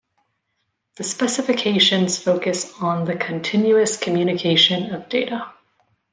The specifications focus on the continuous communication of data.